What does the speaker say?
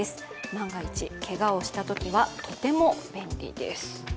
万が一、けがをしたときはとても便利です。